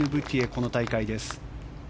この大会です。